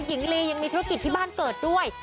หญิงลียังมีธุรกิจที่บ้านเกิดด้วย